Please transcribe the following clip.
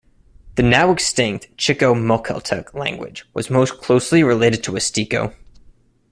The now-extinct Chicomuceltec language was most closely related to Wasteko.